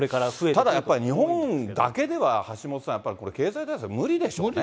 ただ、やっぱり日本だけでは橋下さん、やっぱりこれ、経済対無理ですよ。